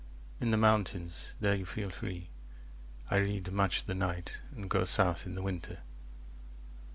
In the mountains, there you feel free. I read, much of the night, and go south in the winter.